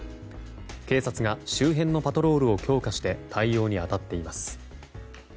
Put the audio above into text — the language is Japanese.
警察が周辺のパトロールを強化して対応に当たっています。